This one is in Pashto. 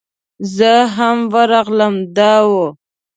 زه هم ورغلم دا و.